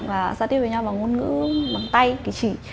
và giao tiếp với nhau bằng ngôn ngữ bằng tay cái chỉ